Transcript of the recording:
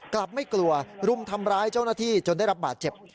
กลับไม่กลัวรุมทำร้ายเจ้าหน้าที่จนได้รับบาดเจ็บ